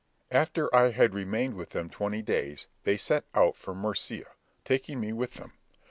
After I had remained with them twenty days, they set out for Murcia, taking me with them.